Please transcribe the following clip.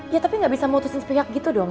ya tapi gak bisa mutusin sepihak gitu dong